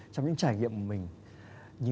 trong những trải nghiệm của mình